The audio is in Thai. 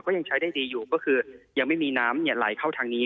ยังใช้ได้ดีอยู่ก็คือยังไม่มีน้ำไหลเข้าทางนี้